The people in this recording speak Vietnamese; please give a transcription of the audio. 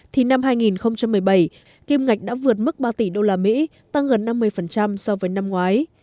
thì năm hai nghìn một mươi bảy kiêm ngạch đã vượt mức ba tỷ đô la mỹ tăng gần năm mươi so với năm ngoái